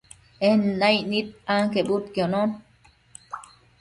En naicnid anquebudquionon